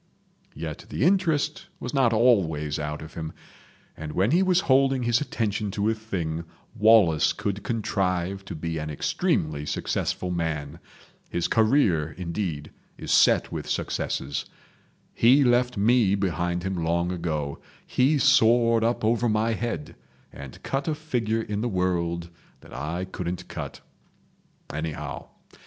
...." Yet the interest was not always out of him, and when he was holding his attention to a thing Wallace could contrive to be an extremely successful man. His career, indeed, is set with successes. He left me behind him long ago; he soared up over my head, and cut a figure in the world that I couldn't cut—anyhow.